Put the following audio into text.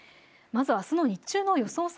まずあすの日中の予想